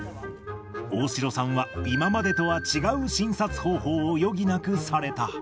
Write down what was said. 大城さんは今までとは違う診察方法を余儀なくされた。